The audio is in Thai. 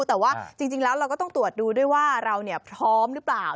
แต่ว่าจริงแล้วเราก็ต้องตรวจดูด้วยว่าเราพร้อมหรือเปล่า